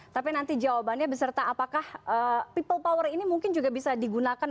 tapi nanti jawabannya beserta apakah people power ini mungkin juga bisa digunakan